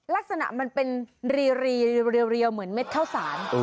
ลักษณะมันเป็นรีเรียวเหมือนเม็ดข้าวสาร